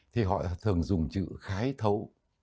thì họ thường dùng chữ khái thấu